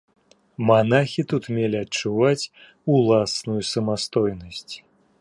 Манахі тут мелі адчуваць уласную самастойнасць.